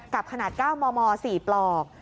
กลับขนาด๙มม๔ปลอก